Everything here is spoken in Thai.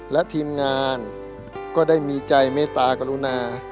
และทีมงานก็ได้มีใจเมตตากรุณา